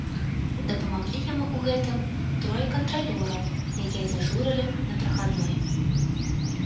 А дапамаглі яму ў гэтым трое кантралёраў, якія дзяжурылі на прахадной.